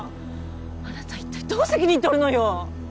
あなた一体どう責任とるのよ！？